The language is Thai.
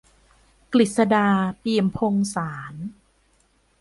กฤษฎา เปี่ยมพงศ์สานต์